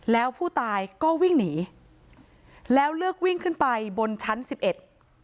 แล้วผู้ตายก็วิ่งหนีแล้วเลือกวิ่งขึ้นไปบนชั้นสิบเอ็ด